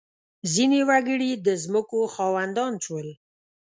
• ځینې وګړي د ځمکو خاوندان شول.